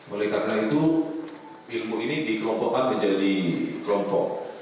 oleh karena itu ilmu ini dikelompokkan menjadi kelompok